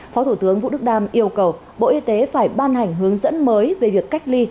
phó thủ tướng vũ đức đam yêu cầu bộ y tế phải ban hành hướng dẫn mới về việc cách ly